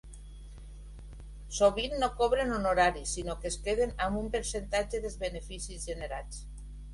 Sovint no cobren honoraris, sinó que es queden amb un percentatge dels beneficis generats.